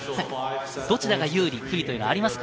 どちらが有利・不利はありますか？